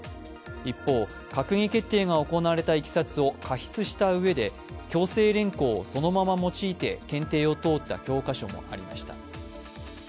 一方、閣議決定が行われたいきさつを加筆したうえで強制連行をそのまま用いて検定を通った教科書もありました。